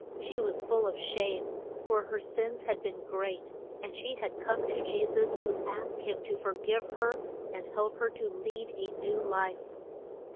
She was full of shame, for her sins had been great, and she had come to Je sus to ask him to for give her and help her to lead a new life.